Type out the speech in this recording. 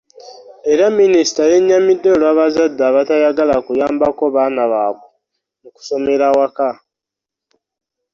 Era Minisita yenyamidde olw'abazadde abatayagala kuyambako baana baabwe mu kusomera awaka.